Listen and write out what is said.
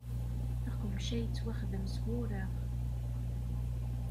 Aqbuc-a yettwaxdem s wureɣ.